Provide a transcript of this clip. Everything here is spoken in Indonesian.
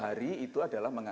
lima hari itu adalah mengacu